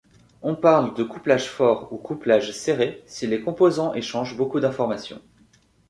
On parle de couplage fort ou couplage serré si les composants échangent beaucoup d'information.